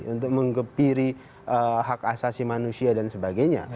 untuk mengepiri hak asasi manusia dan sebagainya